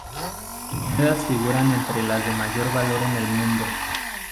Sus monedas figuran entre las de mayor valor en el mundo.